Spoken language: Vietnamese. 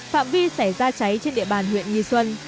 phạm vi xảy ra cháy trên địa bàn huyện nghi xuân